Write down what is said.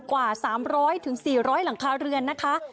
กว่า๓๐๐๔๐๐หลังคาเรือนนะคะ